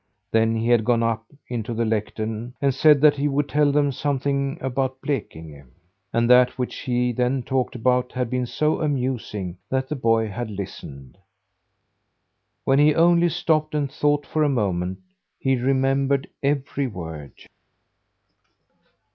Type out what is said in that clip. Then he had gone up into the lectern and said that he would tell them something about Blekinge. And that which he then talked about had been so amusing that the boy had listened. When he only stopped and thought for a moment, he remembered every word.